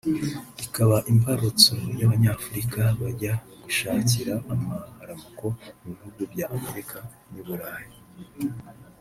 ikaba imbarutso y’Abanyafurika bajya gushakira amaramuko mu bihugu bya Amerika n’i Burayi